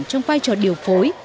trong vai trò điều phối